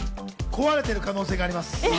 壊れてる可能性あります。